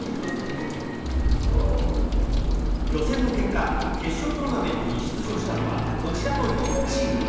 予選の結果決勝トーナメントに出場したのはこちらの４チーム。